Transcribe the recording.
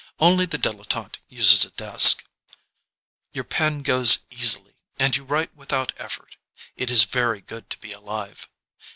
Only the dilettante uses a desk. Your pen goes easily and you write without effort. It is very good to be alive.